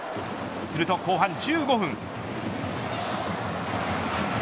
すると後半１５分。